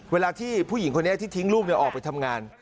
เวลาที่ผู้หญิงคนนี้ที่ทิ้งลูกออกไปทำงาน